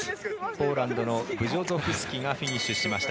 ポーランドのブジョゾフスキがフィニッシュしました。